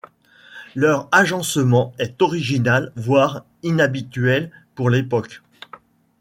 Leur agencement est original voir inhabituel pour l’époque.